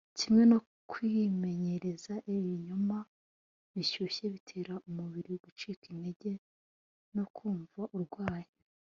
kimwe no kwimenyereza ibinyobwa bishyushye bitera umubiri gucika intege no kumva urwaye